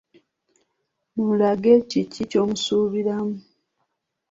Mulage kiki ky’omusuubiramu.